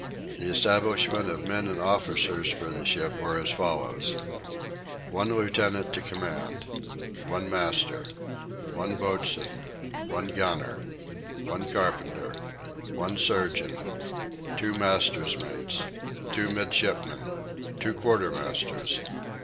The establishment of men and officers for the ship were as follows: 1 Lieutenant to command. 1 Master. 1 Boatswain. 1 Gunner. 1 Carpenter. 1 Surgeon. 2 Master's Mates. 2 Midshipmen. 2 Quartermasters.